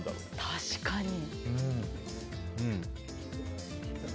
確かに。